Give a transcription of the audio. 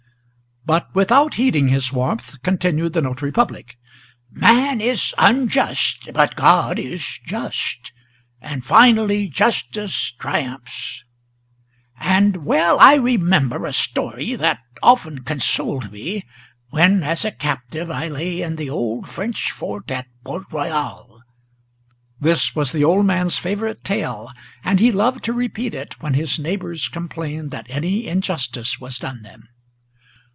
But, without heeding his warmth, continued the notary public: "Man is unjust, but God is just; and finally justice Triumphs; and well I remember a story, that often consoled me, When as a captive I lay in the old French fort at Port Royal." This was the old man's favorite tale, and he loved to repeat it When his neighbors complained that any injustice was done them.